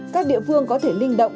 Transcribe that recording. các địa phương có thể linh động